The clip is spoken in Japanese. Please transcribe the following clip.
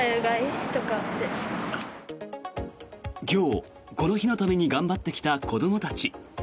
今日この日のために頑張ってきた子どもたち。